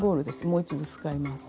もう一度使います。